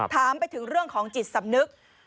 ถามไปถึงเรื่องของจิตสำนึก